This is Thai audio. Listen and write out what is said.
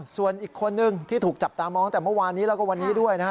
ส่วนอีกคนนึงที่ถูกจับตามองแต่เมื่อวานนี้แล้วก็วันนี้ด้วยนะฮะ